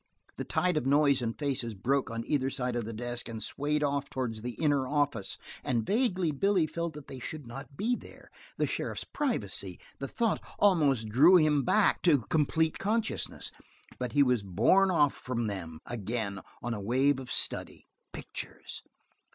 The tide of noise and faces broke on either side of the desk and swayed off towards the inner office and vaguely Billy felt that they should not be there the sheriff's privacy the thought almost drew him back to complete consciousness, but he was borne off from them, again, on a wave of study, pictures.